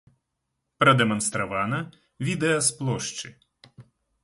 Прадэманстравана відэа з плошчы.